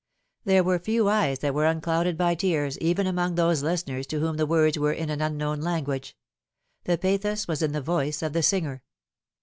There were few eyes that were unclouded by tears even among those listeners to whom the words were in an unknown language. The pathos was in the voice of the singer.